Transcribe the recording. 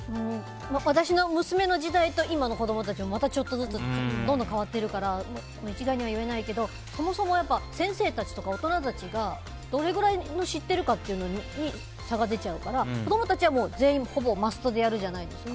私の娘の時代と今の子供たちもまたちょっとずつどんどん変わってるから一概には言えないけどそもそも、先生たちとか大人たちがどれくらい知ってるかっていうのに差が出ちゃうから子供たちはほぼ全員マストでやるじゃないですか。